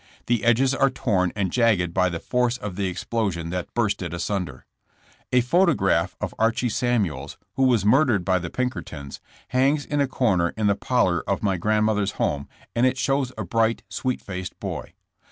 The edges are torn and jagged by the force of the explosion that burst it asunder. A photograph of Archie Samuels, who was murdered 86 JESSE JAMES. by the Pinkertons, hangs in a comer in the parlor of my grandmother's home and it shows a bright, sweet faced boy.